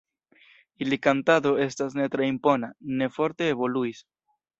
Ilia kantado estas ne tre impona, ne forte evoluis.